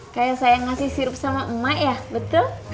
kayak saya ngasih sirup sama emak ya betul